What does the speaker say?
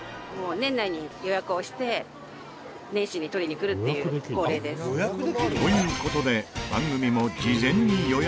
「年内に予約をして年始に取りに来るっていうのが恒例です」という事で番組も事前に予約